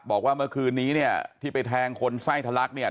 บอกว่าเมื่อคืนนี้เนี่ยที่ไปแทงคนไส้ทะลักเนี่ย